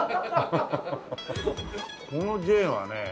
このＪはね